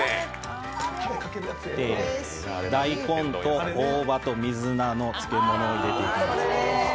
大根と大葉と水菜の漬物を入れていきます。